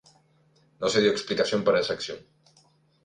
No se dio explicación para esa acción.